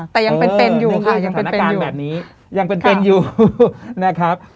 แต่ยังเป็นอยู่ค่ะยังเป็นอยู่ในสถานการณ์แบบนี้ยังเป็นอยู่นะครับ